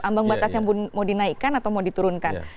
ambang batas yang mau dinaikkan atau mau diturunkan